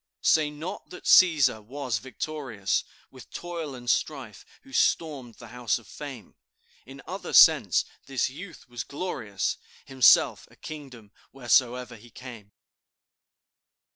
"Say not that Cæsar was victorious, With toil and strife who stormed the House of Fame; In other sense this youth was glorious, Himself a kingdom wheresoe'er he came.